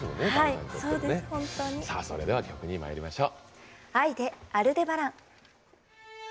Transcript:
それでは曲にまいりましょう。